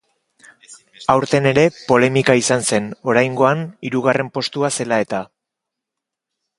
Aurten ere polemika izan zen, oraingoan hirugarren postua zela eta.